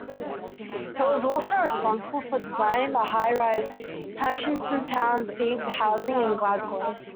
He was also responsible for designing the high-rise Hutchesontown C housing in Glasgow.